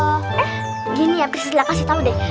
eh gini ya priscila kasih tahu deh